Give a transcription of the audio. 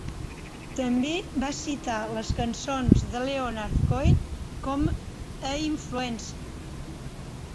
També va citar les cançons de Leonard Cohen com a influència.